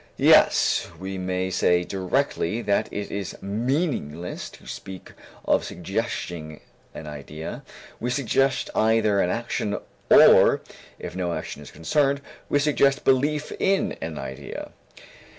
Yes, we may say directly that it is meaningless to speak of suggesting an idea; we suggest either an action or, if no action is concerned, we suggest belief in an idea.